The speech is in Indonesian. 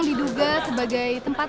diduga sebagai tempat